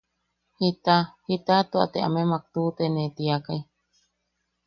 Jita... jita tua te amemak tuʼutene. Tiakai.